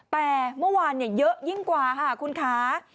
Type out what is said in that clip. แต่เมื่อวานเยอะยิ่งกว่าค่ะคุณคะ